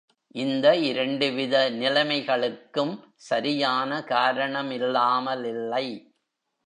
இந்த இரண்டுவித நிலமைகளுக்கும் சரியான காரணமில்லாலில்லை.